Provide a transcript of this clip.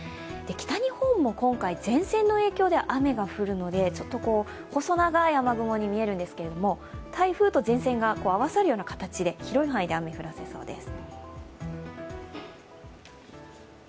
北日本も今回、前線の影響で雨が降るので細長い雨雲に見えるんですけれども、台風と前線が合わさるような形で雨を降らせそうです。